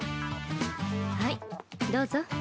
はいどうぞ。